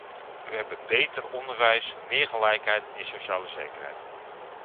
We hebben beter onderwijs en meer gelijkheid en sociale zekerheid.